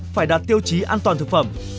phải đạt tiêu chí an toàn thực phẩm